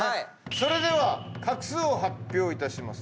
それでは画数を発表いたします。